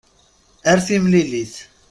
Ar timlilit!